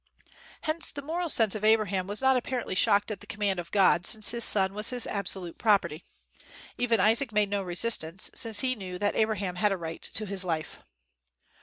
Hence the moral sense of Abraham was not apparently shocked at the command of God, since his son was his absolute property. Even Isaac made no resistance, since he knew that Abraham had a right to his life.